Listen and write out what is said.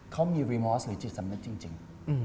เขามีความกลัวหรือจิตสำนักจริง